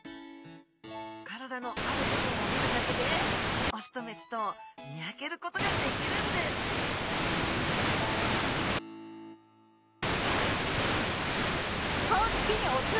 体のある部分を見るだけでオスとメスとを見分けることができるんですオス！